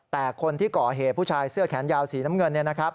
แต่คนที่ก่อเหตุผู้ชายเสื้อแขนยาวสีน้ำเงิน